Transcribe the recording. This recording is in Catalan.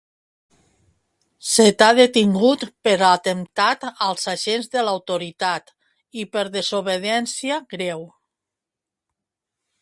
Se t'ha detingut per atemptat als agents de l'autoritat i per desobediència greu.